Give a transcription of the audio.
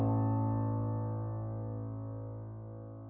gak ada apa apa